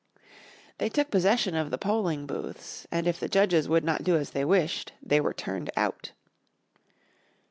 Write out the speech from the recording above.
They took possession of the polling booths, and if the judges would not do as they wished, they were turned out.